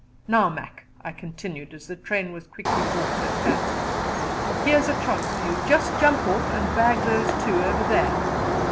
"Now, Mac," I continued, as the train was quickly brought to a standstill, "here's a chance for you. Just jump off and bag those two over there."